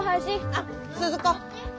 あっ鈴子。